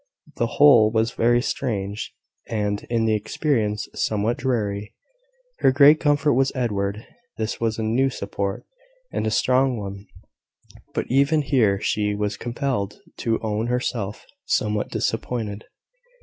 The whole was very strange, and, in the experience, somewhat dreary. Her great comfort was Edward: this was a new support and a strong one: but even here she was compelled to own herself somewhat disappointed.